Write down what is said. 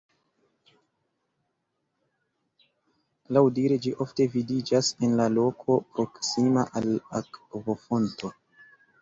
Laŭdire ĝi ofte vidiĝas en la loko proksima al akvofonto.